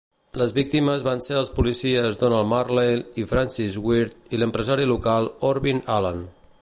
Les víctimes van ser els policies Donald Marler i Francis Wirt i l'empresari local Orville Allen.